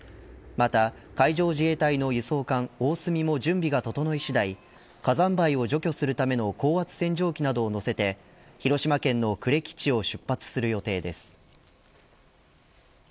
また海上自衛隊の輸送艦おおすみも準備が整い次第火山灰を除去するための高圧洗浄機などを載せて広島県の呉基地を出発する予定です。